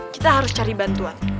kita harus cari bantuan